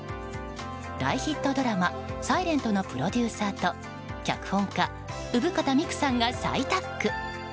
大ヒットドラマ「ｓｉｌｅｎｔ」のプロデューサーと脚本家・生方美久さんが再タッグ。